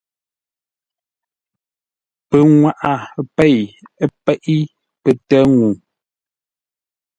Pə nŋwaʼa pei peʼé pətə́ ŋʉʉ.